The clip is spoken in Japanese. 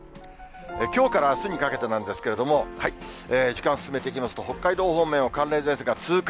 きょうからあすにかけてなんですけれども、時間進めていきますと、北海道方面を寒冷前線が通過。